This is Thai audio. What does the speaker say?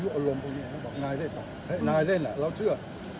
บอกนายเล่นต่อให้นายเล่นอะเราเชื่อ